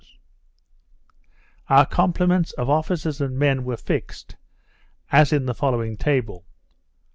_Our Complements of Officers and Men were fixed, as in the following Table.